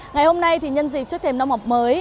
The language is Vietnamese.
ngày hôm nay thì nhân dịp trước thềm năm học mới